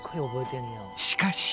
しかし。